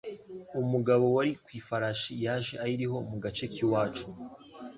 Umugabo wari ku ifarashi yaje ayiriho mugace k’iwacu